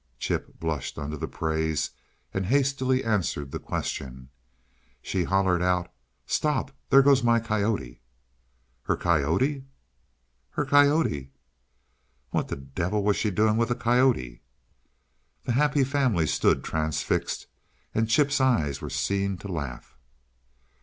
Chip blushed under the praise and hastily answered the question. "She hollered out: 'Stop! There goes my COYOTE!'" "Her COYOTE?" "HER coyote?" "What the devil was she doing with a COYOTE?" The Happy Family stood transfixed, and Chip's eyes were seen to laugh.